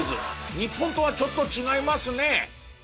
日本とはちょっと違いますね。